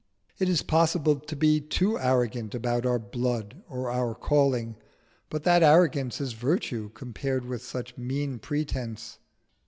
It is possible to be too arrogant about our blood or our calling, but that arrogance is virtue compared with such mean pretence.